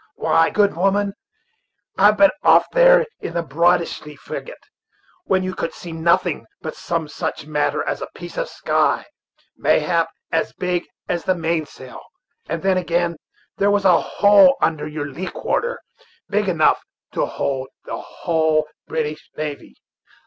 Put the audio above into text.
Why, good woman, I've been off there in the Boadishey frigate, when you could see nothing but some such matter as a piece of sky, mayhap, as big as the main sail; and then again, there was a hole under your lee quarter big enough to hold the whole British navy."